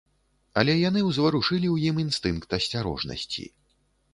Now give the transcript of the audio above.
Але яны ўзварушылі ў ім інстынкт асцярожнасці.